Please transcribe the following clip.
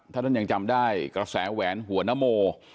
ถ้าท่านยังจำได้กระแสแหวนหัวนโม